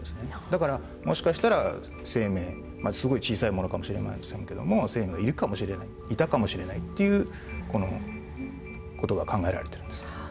だからもしかしたら生命すごい小さいものかもしれませんけども生命がいるかもしれないいたかもしれないっていう事が考えられてるんですね。